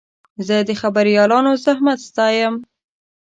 زه د خبریالانو زحمت ستایم.